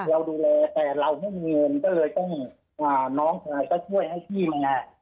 เราดูแลแต่เราไม่มีเงินก็เลยต้องอ่าน้องชายก็ช่วยให้พี่มันอ่ะ